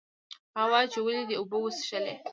هغه وایي، ولې دې اوبه وڅښلې؟